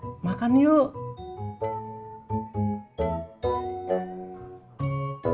masa sama anak sendiri kagak percaya